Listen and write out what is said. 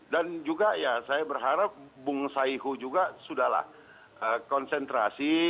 dan juga ya saya berharap bung saihu juga sudahlah konsentrasi